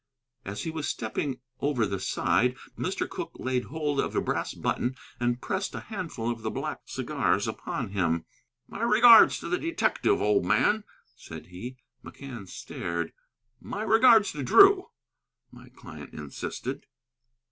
As he was stepping over the side, Mr. Cooke laid hold of a brass button and pressed a handful of the black cigars upon him. "My regards to the detective, old man," said he. McCann stared. "My regards to Drew," my client insisted.